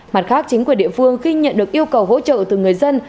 mặt khác chính quyền địa phương khi nhận được yêu cầu hỗ trợ từ người dân